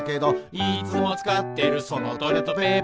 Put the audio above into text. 「いつもつかってるそのトイレットペーパー」